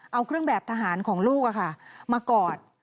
เอาเครื่องแบบทหารของลูกมากอด